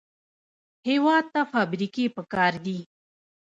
هېواد ته فابریکې پکار دي